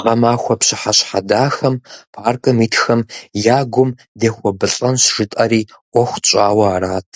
Гъэмахуэ пщыхьэщхьэ дахэм паркым итхэм я гум дехуэбылӀэнщ жытӀэри, Ӏуэху тщӀауэ арат.